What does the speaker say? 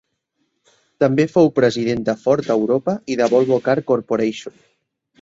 També fou president de Ford a Europa i de Volvo Car Corporation.